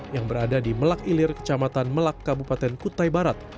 yang berada di melak ilir kecamatan melak kabupaten kutai barat